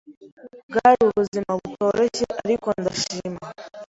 bwari ubuzima butoroshye ariko ndashima